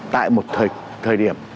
tại một thời điểm